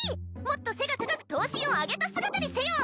もっと背が高く頭身を上げた姿にせよ！